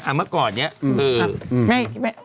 อ่าเมื่อก่อนนี้คือ